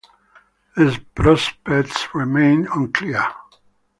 The prospects remained unclear.